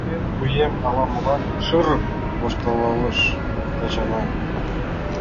— Пуэм, пуэм... — ала-молан шыр-р воштылалеш Тачана.